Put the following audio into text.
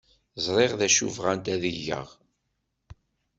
Ẓriɣ d acu bɣant ad geɣ.